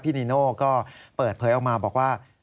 นีโน่ก็เปิดเผยออกมาบอกว่า